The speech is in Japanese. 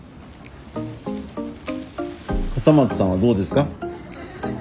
笠松さんはどうですか？